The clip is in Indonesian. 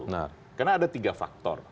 karena ada tiga faktor